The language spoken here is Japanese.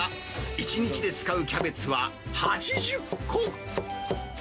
１日で使うキャベツは８０個。